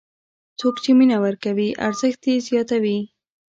څوک چې مینه ورکوي، ارزښت یې زیاتوي.